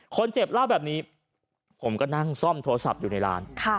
คนเจ็บเล่าแบบนี้ผมก็นั่งซ่อมโทรศัพท์อยู่ในร้าน